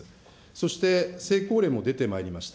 そして、成功例も出てまいりました。